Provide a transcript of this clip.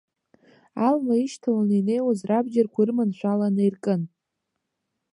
Алма ишьҭаланы инеиуаз рабџьарқәа ырманшәаланы иркын.